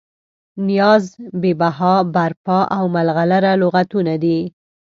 نیاز، بې بها، برپا او ملغلره لغتونه دي.